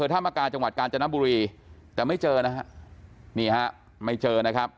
ธรรมกาจังหวัดกาญจนบุรีแต่ไม่เจอนะฮะนี่ฮะไม่เจอนะครับ